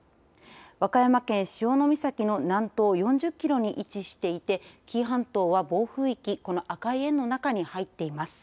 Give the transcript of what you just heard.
和歌山県潮岬の南東４０キロに位置していて紀伊半島は暴風域この赤い円の中に入っています。